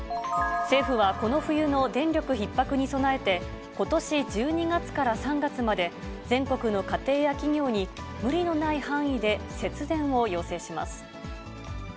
政府はこの冬の電力ひっ迫に備えて、ことし１２月から３月まで、全国の家庭や企業に無理のない範囲で節電を要請します。